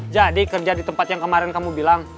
jadi kerja di tempat yang kemarin kamu bilang